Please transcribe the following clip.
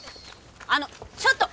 あのちょっと！